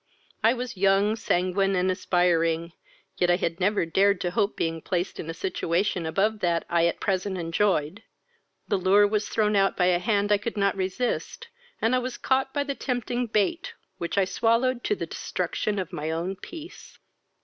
I was young, sanguine, and aspiring, yet I had never dared to hope being placed in a situation above that I at present enjoyed. The lure was thrown out by a hand I could not resist, and I was caught by the tempting bait, which I swallowed to the destruction of my own peace."